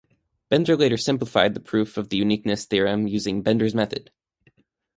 Bender later simplified the proof of the uniqueness theorem using Bender's method.